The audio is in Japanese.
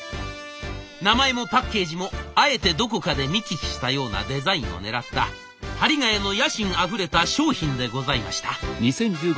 名前もパッケージもあえてどこかで見聞きしたようなデザインを狙った針ヶ谷の野心あふれた商品でございました。